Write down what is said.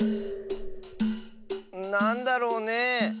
なんだろうねえ。